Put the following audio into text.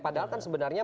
padahal kan sebenarnya